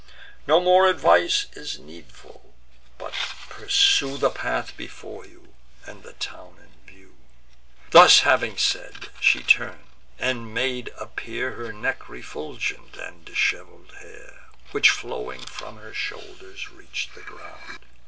No more advice is needful; but pursue The path before you, and the town in view." Thus having said, she turn'd, and made appear Her neck refulgent, and dishevel'd hair, Which, flowing from her shoulders, reach'd the ground.